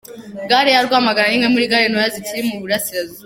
Gare ya Rwamagana ni imwe muri gare ntoya zikiri mu Burasirazuba.